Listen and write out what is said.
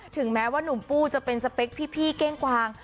ถึงแม้ว่านุ่มปูจะเป็นสเปคพี่เก้งกวาง